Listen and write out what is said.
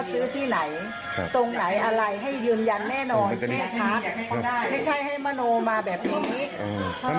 ใช่ครั้งเช้าเฮียรับก็อุ้ง